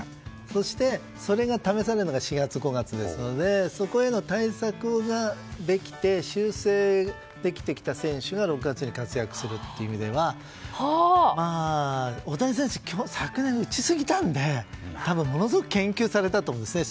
そして、それが試されるのが４月、５月ですのでそこへの対策ができて修正できてきた選手が６月に活躍するという意味では大谷選手、昨年打ちすぎたので多分、ものすごく研究されたと思うんですね。